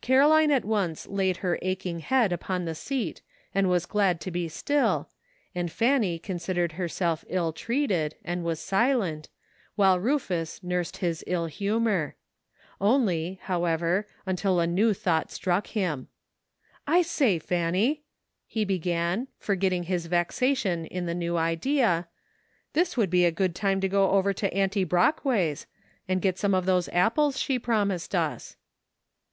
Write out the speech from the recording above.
Qaroline at onp^ laid her aching head upoi^ ''A PRETTY STATE OF THINGS.*' 61 the seat and was glad to be still, and Fanny considered herself ill treated, and was silent, while Rufus nursed his ill humor; only, how ever, until a new thought struck him. " I say, Fanny," he began, forgetting his vexation in the new idea, *' this would be a good time to go over to Auntie Brockway's and get some of those apples she promised us."